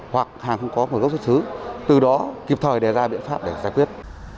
hoặc hàng không có nguồn gốc xuất xứ từ đó kịp thời đề ra biện pháp để giải quyết